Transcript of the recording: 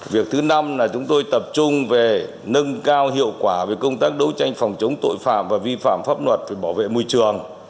việc thứ năm là chúng tôi tập trung về nâng cao hiệu quả về công tác đấu tranh phòng chống tội phạm và vi phạm pháp luật về bảo vệ môi trường